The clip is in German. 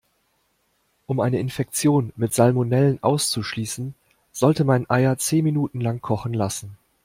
Um eine Infektion mit Salmonellen auszuschließen, sollte man Eier zehn Minuten lang kochen lassen.